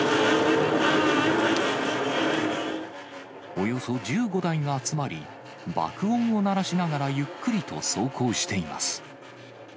およそ１５台が集まり、爆音を鳴らしながらゆっくりと走行しています。